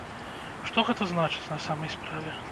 Што гэта значыць на самай справе?